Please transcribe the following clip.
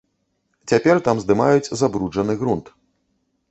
Цяпер там здымаюць забруджаны грунт.